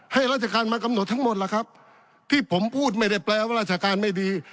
ราชการมากำหนดทั้งหมดล่ะครับที่ผมพูดไม่ได้แปลว่าราชการไม่ดี